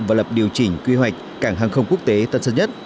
và lập điều chỉnh quy hoạch cảng hàng không quốc tế tân sơn nhất